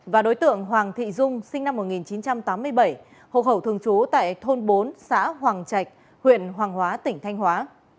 và đối tượng hoàng thị dung sinh năm một nghìn chín trăm tám mươi bảy hộ khẩu thường trú tại thôn bốn xã hoàng trạch huyện hoàng hóa tỉnh thanh hóa